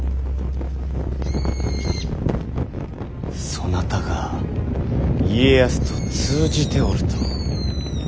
そなたが家康と通じておると。